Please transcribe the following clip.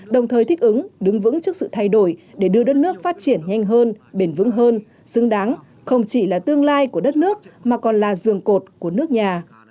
đồng thời thích ứng đứng vững trước sự thay đổi để đưa đất nước phát triển nhanh hơn bền vững hơn xứng đáng không chỉ là tương lai của đất nước mà còn là dường cột của nước nhà